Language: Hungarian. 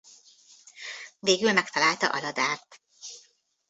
Végül megtalálta Aladárt.